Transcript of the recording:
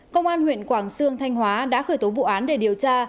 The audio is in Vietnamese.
công an huyện quảng sương thanh hóa đã khởi tố vụ án để điều tra